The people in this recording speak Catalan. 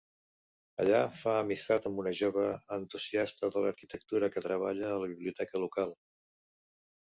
Allà fa amistat amb una jove entusiasta de l'arquitectura que treballa a la biblioteca local.